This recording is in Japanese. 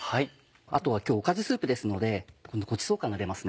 あとは今日おかずスープですのでごちそう感が出ます。